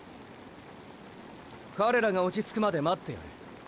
彼らが落ちつくまで待ってやれ。